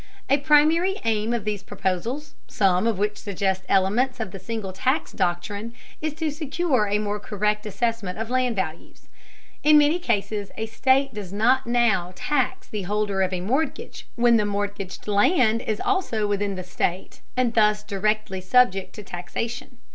A primary aim of these proposals, some of which suggest elements of the single tax doctrine, is to secure a more correct assessment of land values. In many cases a state does not now tax the holder of a mortgage when the mortgaged land is also within the state and thus directly subject to taxation.